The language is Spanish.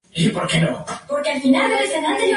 Es el verdadero lugar de nacimiento del Che Guevara.